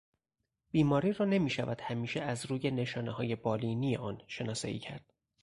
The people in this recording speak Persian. بیماری را نمیشود همیشه از روی نشانههای بالینی آن شناسایی کرد.